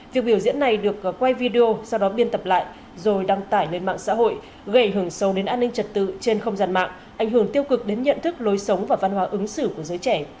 việc biểu diễn này được quay video sau đó biên tập lại rồi đăng tải lên mạng xã hội gây ảnh hưởng sâu đến an ninh trật tự trên không gian mạng ảnh hưởng tiêu cực đến nhận thức lối sống và văn hóa ứng xử của giới trẻ